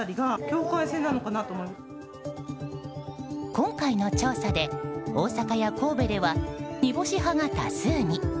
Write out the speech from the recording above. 今回の調査で、大阪や神戸では煮干し派が多数に。